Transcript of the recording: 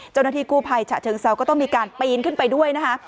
เจ้าหน้าที่กู้ภัยฉะเชิงเซาก็ต้องมีการปีนขึ้นไปด้วยนะคะ